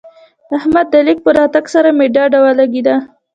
د احمد د ليک په راتګ سره مې ډډه ولګېده.